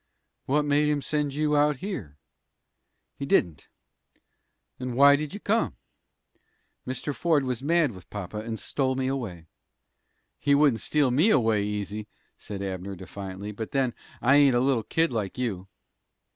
"What made him send you out here?" "He didn't." "Then why did you come?" "Mr. Ford was mad with papa, and stole me away." "He wouldn't steal me away easy!" said Abner, defiantly; "but, then, I ain't a little kid like you."